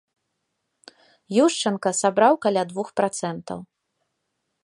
Юшчанка сабраў каля двух працэнтаў.